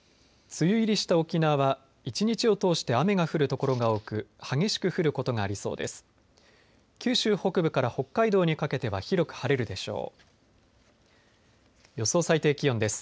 梅雨入りした沖縄は１日を通して雨が降る所が多く激しく降ることがありそうです。